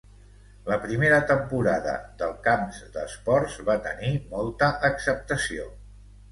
La primera temporada del Camps d'Esports va tenir molta acceptació.